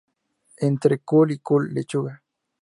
Entre col y col, lechuga